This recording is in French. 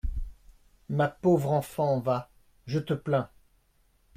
Ma pauvre enfant, va ! je te plains !